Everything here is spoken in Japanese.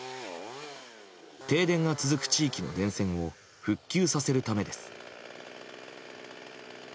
停電が続く地域の電線を復旧させるためです。